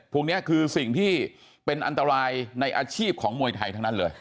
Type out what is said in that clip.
พวกนี้คือสิ่งที่เป็นอันตรายในอาชีพของมวยไทยทั้งนั้นเลย